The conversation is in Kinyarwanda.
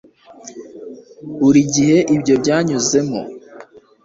buri gihe ibyo byanyuzemo